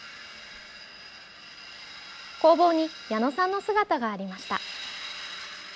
工房に矢野さんの姿がありました。